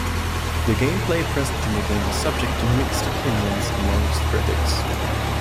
The gameplay present in the game was subject to mixed opinions amongst critics.